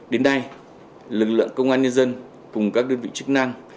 đến nay lực lượng công an nhân dân cùng các đơn vị chức năng